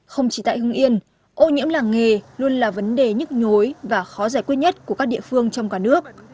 không chỉ tại hưng yên ô nhiễm làng nghề luôn là vấn đề nhức nhối và khó giải quyết nhất của các địa phương trong cả nước